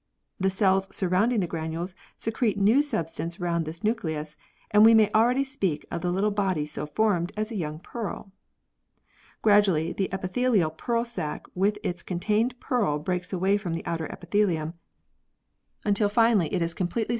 The cells surrounding the granules secrete new substance round this nucleus, and we may already speak of the little body so formed as a young pearl. Gradually the epithelial pearl sac with its contained pearl breaks away from the outer epithelium (fig. 126), until finally it is completely Fig. 12.